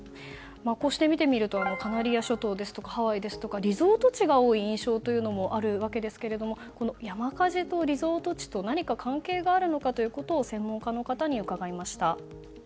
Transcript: こうして見てみるとカナリア諸島ですとかハワイですとかリゾート地が多い印象でもあるわけですがこの山火事とリゾート地と何か関係があるのかを専門家の方に伺いました。